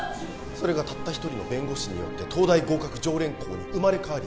それがたった一人の弁護士によって東大合格常連校に生まれ変わり